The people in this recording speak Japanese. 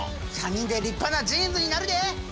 ３人で立派なジーンズになるで！